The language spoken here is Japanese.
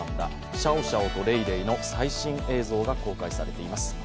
シャオシャオとレイレイの最新映像が公開されています。